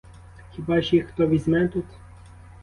Хіба ж їх хто візьме тут?